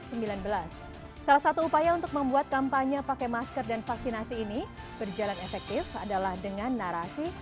salah satu upaya untuk membuat kampanye pakai masker dan vaksinasi ini berjalan efektif adalah dengan narasi